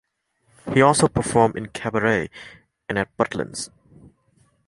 He also performed in cabaret and at Butlins.